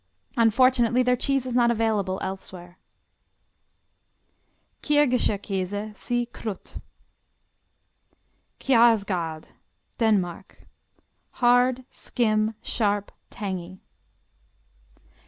Unfortunately their cheese is not available elsewhere. Kirgischerkäse see Krutt. Kjarsgaard Denmark Hard; skim; sharp; tangy.